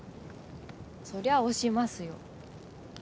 そりゃ推しますよ